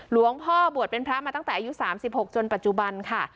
หลวงพ่อบวชเป็นพระมาตั้งแต่อายุ๓๖จนปัจจุบันค่ะ